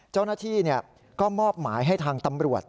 เจ้าหน้าที่ก็มอบหมายให้ทางตำรวจ